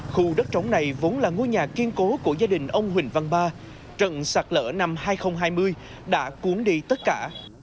khu đất trống này vốn là ngôi nhà kiên cố của gia đình ông huỳnh văn ba trận sạt lở năm hai nghìn hai mươi đã cuốn đi tất cả